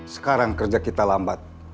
sekarang kerja kita lambat